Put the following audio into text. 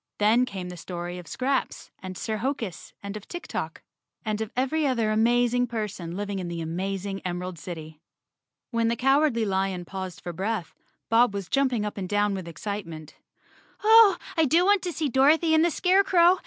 Then came the story of Scraps and Sir Hokus and of Tik Tok, and of every other amazing person living in the amazing Em¬ erald City. When the Cowardly Lion paused for breath Bob was jumping up and down with excitement. "Oh, I do want to see Dorothy and the Scarecrow!